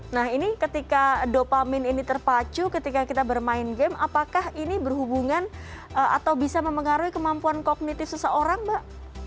nah ini ketika dopamin ini terpacu ketika kita bermain game apakah ini berhubungan atau bisa memengaruhi kemampuan kognitif seseorang mbak